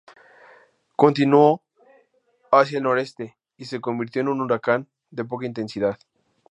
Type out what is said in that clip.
Continuó hacia el noreste y se convirtió en un huracán de poca intensidad.